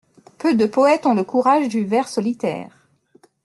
Peu de poètes ont le courage du vers solitaire !